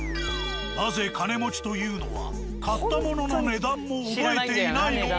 なぜ金持ちというのは買ったものの値段も覚えていないのか。